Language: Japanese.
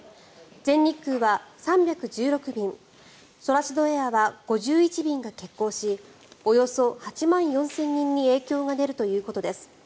全日空は３１６便ソラシドエアは５１便が欠航しおよそ８万４０００人に影響が出るということです。